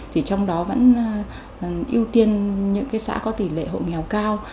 thì trong đó vẫn ưu tiên những cái xã có tỷ lệ hộ nghèo cao